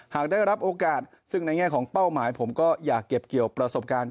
หากได้รับโอกาสซึ่งในแง่ของเป้าหมายผมก็อยากเก็บเกี่ยวประสบการณ์